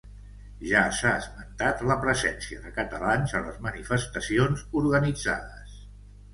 Ja s’ha esmentat la presència de catalans a les manifestacions organitzades.